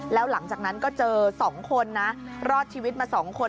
แล้วหลังจากนั้นก็เจอ๒คนนะรอดชีวิตมา๒คน